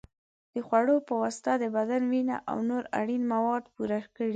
د خوړو په واسطه د بدن وینه او نور اړین مواد پوره کړئ.